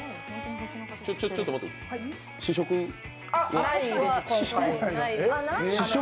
ちょっと待って、試食